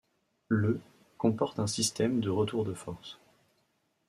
Le ' comporte un système de retour de force.